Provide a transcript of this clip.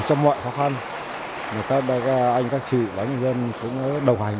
trong mọi khó khăn các anh các chị các anh dân cũng đồng hành